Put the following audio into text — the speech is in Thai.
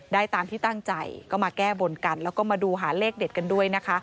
ได้ตามที่ตั้งใจก็มาแก้บนกันแล้วก็มาดูหาเลขเด็ดกันด้วยนะคะ